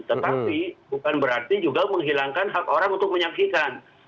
tetapi bukan berarti juga menghilangkan hak orang untuk menyaksikan